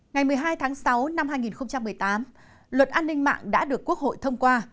ngày một mươi hai tháng sáu năm hai nghìn một mươi tám luật an ninh mạng đã được quốc hội thông qua